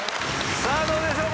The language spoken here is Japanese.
さあどうでしょうか？